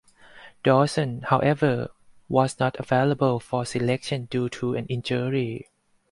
Dawson however was not available for selection due to an injury.